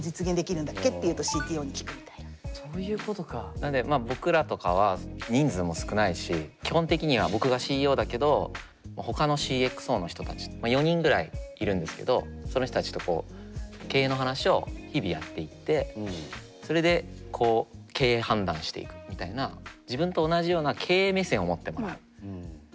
なんでまあ僕らとかは人数も少ないし基本的には僕がＣＥＯだけどほかのＣｘＯの人たち４人ぐらいいるんですけどその人たちとこう経営の話を日々やっていってそれでこう経営判断していくみたいなへえ。